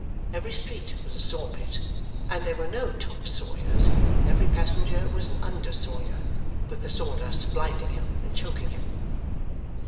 Every street was a sawpit, and there were no top sawyers; every passenger was an under sawyer, with the sawdust blinding him and choking him.